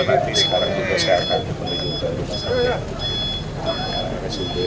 jadi sekarang juga saya akan menunjukkan